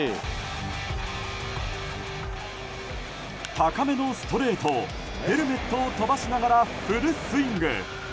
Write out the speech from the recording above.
高めのストレートをヘルメットを飛ばしながらフルスイング！